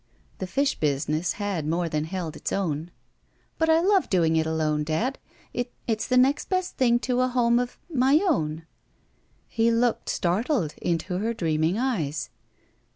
The fish business had more than held its own. "But I love doing it alone, dad. It — it's the next best thing to a home of — ^my own." He looked startled into her dreariling eyes.